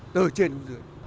từ trên đến dưới